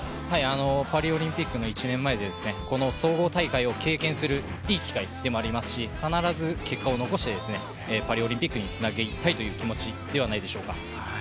パリオリンピックの１年前で総合大会を経験するいい機会でもありますし必ず結果を残してパリオリンピックにつなげたいという気持ちではないでしょうか。